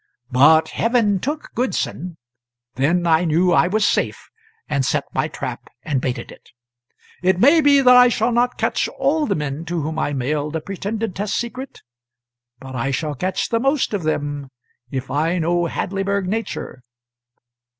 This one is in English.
But heaven took Goodson; then I knew I was safe, and I set my trap and baited it. It may be that I shall not catch all the men to whom I mailed the pretended test secret, but I shall catch the most of them, if I know Hadleyburg nature.